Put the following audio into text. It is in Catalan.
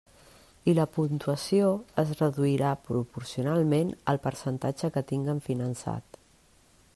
I la puntuació es reduirà proporcionalment al percentatge que tinguen finançat.